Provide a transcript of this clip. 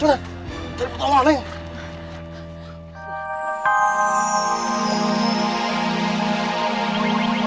tidak butuh neng